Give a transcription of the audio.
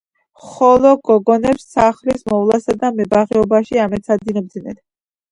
ხოლო გოგონებს სახლის მოვლასა და მებაღეობაში ამეცადინებდნენ.